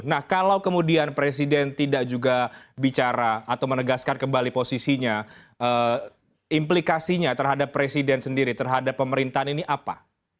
nah kalau kemudian presiden tidak juga bicara atau menegaskan kembali posisinya implikasinya terhadap presiden sendiri terhadap pemerintahan ini apa